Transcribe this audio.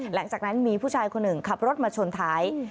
หลังจากนั้นมีผู้ชายคนหนึ่งขับรถมาชนท้าย